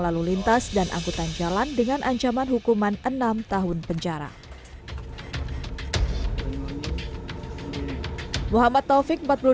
lalu lintas dan angkutan jalan dengan ancaman hukuman enam tahun penjara muhammad taufik